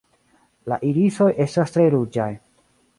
La irisoj estas tre ruĝaj.